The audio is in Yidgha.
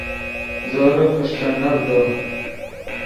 زورے فݰٹینڤدو